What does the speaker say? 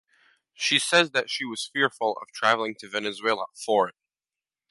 She says that she was fearful of traveling to Venezuela for it.